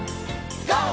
ＧＯ！